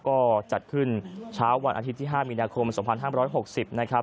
ก็จัดขึ้นเช้าวันอาทิตย์ที่๕มีนาคม๒๕๖๐นะครับ